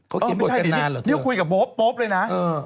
เขาเขียนบทกันนานหรอเดี๋ยวคุยกับโป๊ปโป๊ปเลยนะ